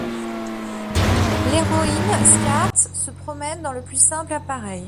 L'héroïne, Scarth, se promène dans le plus simple appareil.